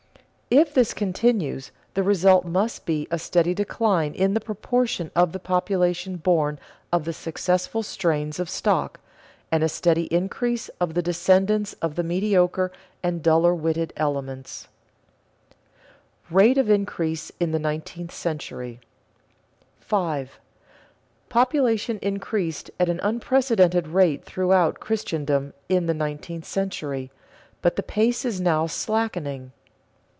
If this continues, the result must be a steady decline in the proportion of the population born of the successful strains of stock, and a steady increase of the descendants of the mediocre and duller witted elements. [Sidenote: Rate of increase in the nineteenth century] 5. _Population increased at an unprecedented rate throughout Christendom in the nineteenth century, but the pace is now slackening.